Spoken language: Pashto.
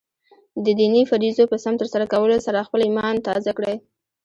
د دیني فریضو په سم ترسره کولو سره خپله ایمان تازه کړئ.